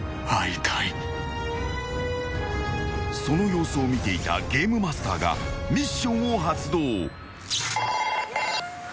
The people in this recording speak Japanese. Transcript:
［その様子を見ていたゲームマスターがミッションを発動］